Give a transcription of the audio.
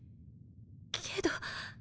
けど。